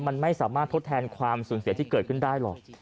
มันไม่สามารถทดแทนความสูญเสียที่เกิดขึ้นได้หรอก